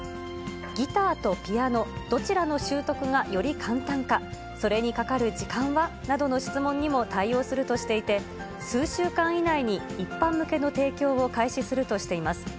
ギターとピアノ、どちらの習得がより簡単か、それにかかる時間は？などの質問にも対応するとしていて、数週間以内に一般向けの提供を開始するとしています。